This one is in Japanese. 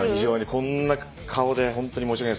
こんな顔でホントに申し訳ない。